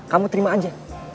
kamu terima aja